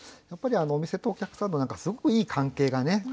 やっぱりお店とお客さんのすごくいい関係がね